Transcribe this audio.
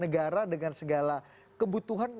negara dengan segala kebutuhan